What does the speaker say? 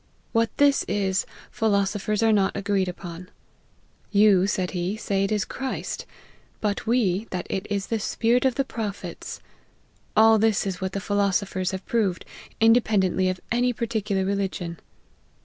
What this is, philosophers are not agreed upon. You,' said he, ' say it is Christ : but we, that it is the Spirit of the Prophets. All this is what the phi losophers have proved, independently of any par ticular religion.'